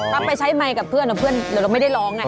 ถ้าไปใช้ไมค์กับเพื่อนเพื่อนได้ลองไม่ได้ร้อง